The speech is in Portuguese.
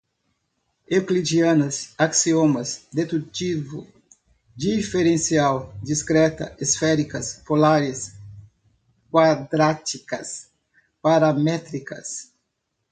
euclidiana, axiomas, dedutivo, diferencial, discreta, esféricas, polares, quadráticas, paramétricas